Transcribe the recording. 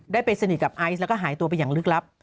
ได้ไปสนิทกับไอซ์แล้วก็หายตัวไปอย่างลึกลับ